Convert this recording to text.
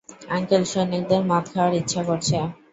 Uncle, সৈনিকদের মদ খাওয়ার ইচ্ছা করছে।